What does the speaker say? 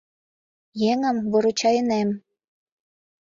Еҥым выручайынем.